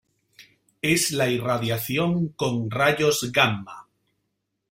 Es la irradiación con rayos gamma.